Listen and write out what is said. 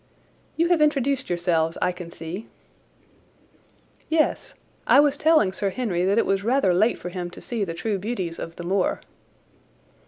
"You have introduced yourselves, I can see." "Yes. I was telling Sir Henry that it was rather late for him to see the true beauties of the moor."